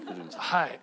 はい。